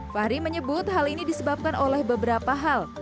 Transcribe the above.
fahri menyebut hal ini disebabkan oleh beberapa hal